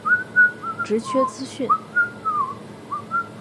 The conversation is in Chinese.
职缺资讯